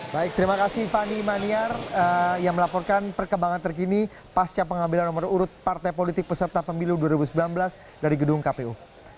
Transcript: baik terima kasih fani maniar yang melaporkan perkembangan terkini pasca pengambilan nomor urut partai politik peserta pemilu dua ribu sembilan belas dari gedung kpu